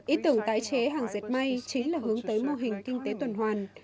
ý tưởng tái chế hàng diệt may chính là hướng tới mô hình kinh tế tuần hoàn